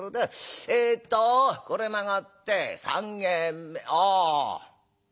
えっとこれ曲がって３軒目あああ